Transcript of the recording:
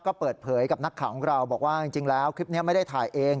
ก็เปิดเผยกับนักข่าวของเราบอกว่าจริงแล้วคลิปนี้ไม่ได้ถ่ายเอง